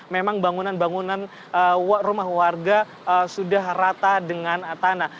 memang bangunan bangunan rumah warga sudah rata dengan tanah